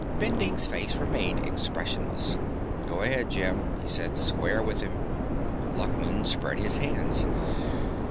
Bending's face remained expressionless. "Go ahead, Jim," he said, "square with him." Luckman spread his hands.